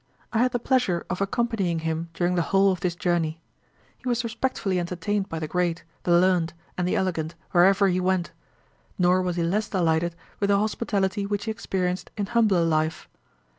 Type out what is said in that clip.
I had the pleasure of accompanying him during the whole of this journey. He was respectfully entertained by the great, the learned, and the elegant, wherever he went; nor was he less delighted with the hospitality which he experienced in humbler life.